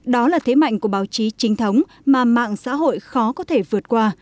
đó là thế mạnh của báo chí trinh thống mà mạng xã hội khó có thể vượt qua